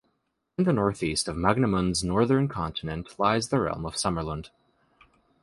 In the north-east of Magnamund's northern continent lies the realm of Sommerlund.